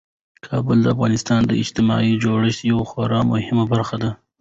کابل د افغانستان د اجتماعي جوړښت یوه خورا مهمه برخه ده.